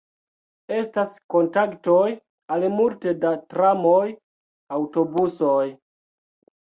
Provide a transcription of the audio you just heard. Estas kontaktoj al multe da tramoj, aŭtobusoj.